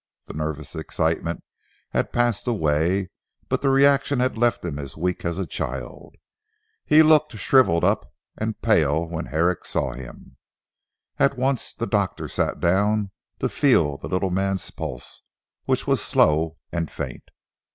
The nervous excitement had passed away, but the reaction had left him as weak as a child. He looked shrivelled up and pale when Herrick saw him. At once the doctor sat down to feel the little man's pulse, which was slow and faint.